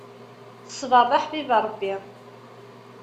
Ṣṣbeṛ d aḥbib n Ṛebbi.